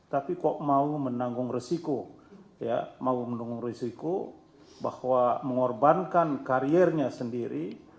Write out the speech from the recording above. tapi kok mau menanggung resiko ya mau menanggung resiko bahwa mengorbankan karirnya sendiri